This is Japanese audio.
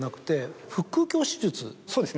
そうですね